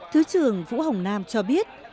thứ trưởng vũ hồng nam cho biết